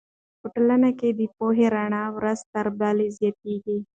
په ټولنه کې د پوهې رڼا ورځ تر بلې زیاتېږي.